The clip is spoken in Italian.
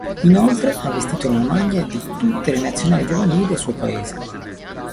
Inoltre ha vestito la maglia di tutte le Nazionali giovanili del suo paese.